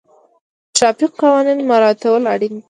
ټرافیکي قوانین مراعتول اړین دي.